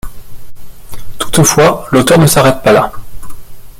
Toutefois, l’auteur ne s’arrête pas là.